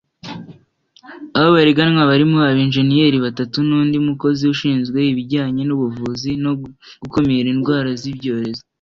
Abo bareganwa barimo abenjeniyeri batatu n’undi mukozi ushinzwe ibijyanye n’ubuvuzi no gukumira indwara z’ibyorezo